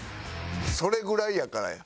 それぐらいやからや。